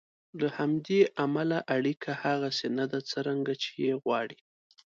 له همدې امله اړیکه هغسې نه ده څرنګه چې یې غواړئ.